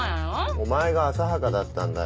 お前が浅はかだったんだよ。